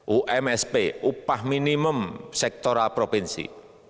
umsp upah minimum sektoral provinsi